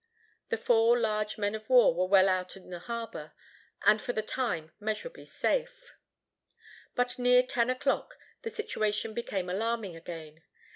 The four large men of war were well out in the harbor, and for the time measurably safe. But near ten o'clock, the situation became alarming again.